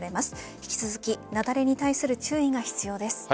引き続き雪崩に対する注意が必要です。